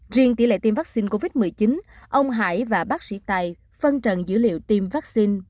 riêng tỷ lệ tiêm vaccine covid một mươi chín ông hải và bác sĩ tài phân trần dữ liệu tiêm vaccine